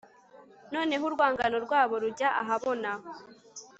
noneho urwangano rwabo rujya ahabona